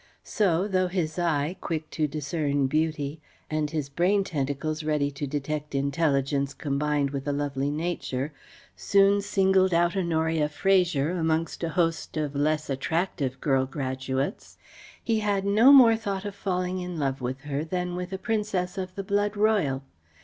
So, though his eye, quick to discern beauty, and his brain tentacles ready to detect intelligence combined with a lovely nature, soon singled out Honoria Fraser, amongst a host of less attractive girl graduates, he had no more thought of falling in love with her than with a princess of the blood royal.